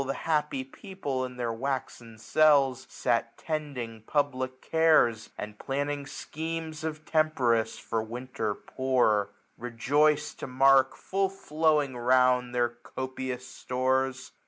The happy people, in their waxen cells. Sat tending public cares, ^d planning schemes 1 175 Of temperance, for Winter poor ; rejoicM To mark, full flowing round, their copious stores.